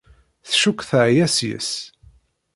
tcuk teɛya seg-s.